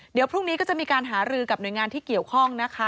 เดี๋ยวพรุ่งนี้ก็จะมีการหารือกับหน่วยงานที่เกี่ยวข้องนะคะ